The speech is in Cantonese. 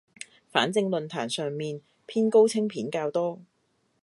反正論壇上面偏高清片較多